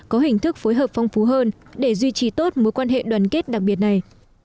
có hình thức phối hợp phong phú hơn để duy trì tốt mối quan hệ đoàn kết đặc biệt này